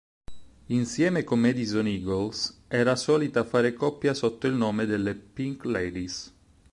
Insieme con Madison Eagles era solita fare coppia sotto il nome delle "Pink Ladies".